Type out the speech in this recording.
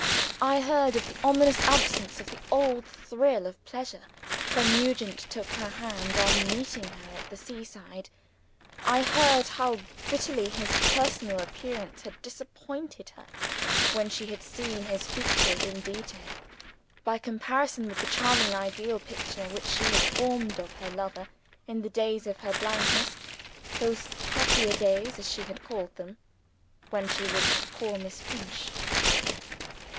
I heard of the ominous absence of the old thrill of pleasure, when Nugent took her hand on meeting her at the seaside I heard how bitterly his personal appearance had disappointed her (when she had seen his features in detail) by comparison with the charming ideal picture which she had formed of her lover in the days of her blindness: those happier days, as she had called them, when she was Poor Miss Finch.